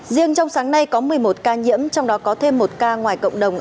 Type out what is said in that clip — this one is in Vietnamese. riêng trong sáng nay có một mươi một ca nhiễm trong đó có thêm một ca ngoài cộng đồng